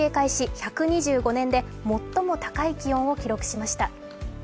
１２５念で最も高い気温を記録しました。